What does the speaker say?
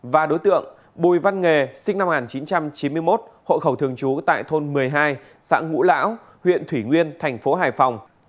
và đối tượng bùi văn nghề sinh năm một nghìn chín trăm chín mươi một hộ khẩu thường trú tại thôn một mươi hai xã ngũ lão huyện thủy nguyên thành phố hải phòng